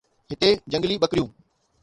هتي جهنگلي ٻڪريون